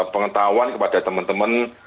pengetahuan kepada teman teman